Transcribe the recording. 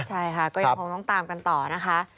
ใช่ค่ะก็ยังคงต้องตามกันต่อนะคะ